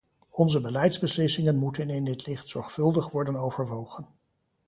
Onze beleidsbeslissingen moeten in dit licht zorgvuldig worden overwogen.